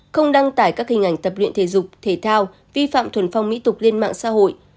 không đăng tải các hình ảnh tập luyện thể dục thể thao vi phạm thuần phong mỹ tục lên mạng xã hội